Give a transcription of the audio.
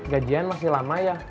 gajian masih lama ya